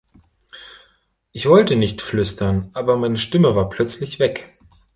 Ich wollte nicht flüstern, aber meine Stimme war plötzlich weg.